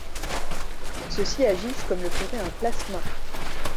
Ceux-ci agissent comme le ferait un plasma.